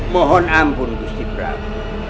mohon ampun gusti braw